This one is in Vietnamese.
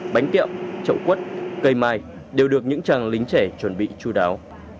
bánh kẹo trậu quất cây mai đều được những chàng lính trẻ chuẩn bị chú đáo